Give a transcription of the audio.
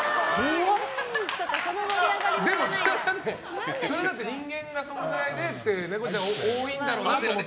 でも、それだって人間がそれくらいでって言うからネコちゃんは多いんだろうなと思って。